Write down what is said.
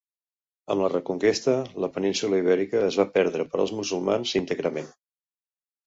Amb la Reconquesta, la Península Ibèrica es va perdre per als musulmans íntegrament.